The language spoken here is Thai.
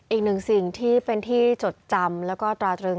อีกหนึ่งสิ่งที่เป็นที่จดจำแล้วก็ตราตรึง